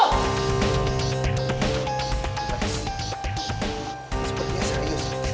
tidak ada apa apa